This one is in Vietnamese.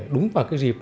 đúng vào cái dịp